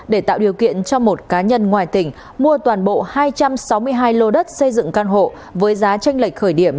để tạo điều kiện cho một cá nhân ngoài tỉnh mua toàn bộ hai trăm sáu mươi hai lô đất xây dựng căn hộ với giá tranh lệch khởi điểm